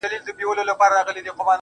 ان «عرفان» هم د «علم» له لارې بېل نه دی